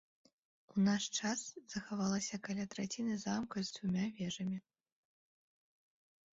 У наш час захавалася каля траціны замка з дзвюма вежамі.